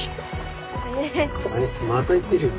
あいつまた言ってるよ。